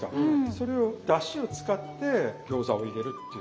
それをだしを使って餃子を入れるっていうのが。